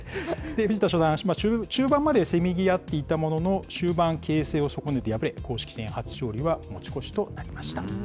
藤田初段、中盤までせめぎ合っていたものの、終盤、形勢を損ねて敗れ、公式戦初勝利は持ち越しとなりました。